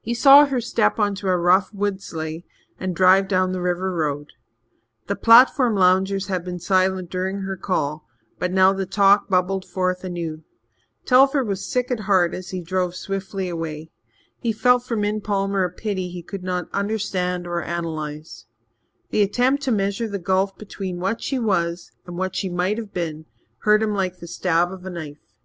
He saw her step on a rough wood sleigh and drive down the river road. The platform loungers had been silent during her call, but now the talk bubbled forth anew. Telford was sick at heart as he drove swiftly away. He felt for Min Palmer a pity he could not understand or analyze. The attempt to measure the gulf between what she was and what she might have been hurt him like the stab of a knife.